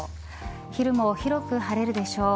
昼も広く晴れるでしょう。